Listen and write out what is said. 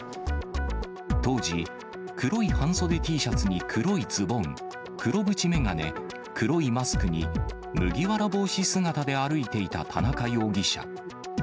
当時、黒い半袖Ｔシャツに黒いズボン、黒縁眼鏡、黒いマスクに麦わら帽子姿で歩いていた田中容疑者。